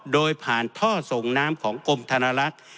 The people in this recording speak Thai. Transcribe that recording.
โดยผ่านท่อส่งน้ำของกรมธนลักษณ์